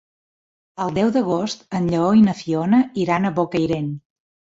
El deu d'agost en Lleó i na Fiona iran a Bocairent.